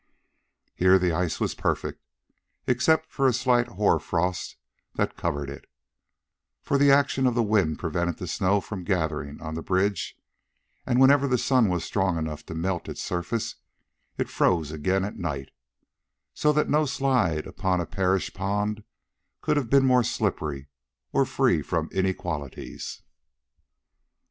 Here the ice was perfect, except for a slight hoar frost that covered it, for the action of the wind prevented the snow from gathering on the bridge, and whenever the sun was strong enough to melt its surface, it froze again at night, so that no slide upon a parish pond could have been more slippery or free from inequalities.